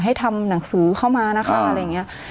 ให้ทำหนังสือเข้ามานะคะอะไรอย่างนี้